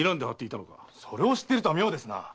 それを知ってるとは妙ですな。